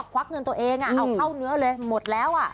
ควักเงินตัวเองเอาเข้าเนื้อเลยหมดแล้ว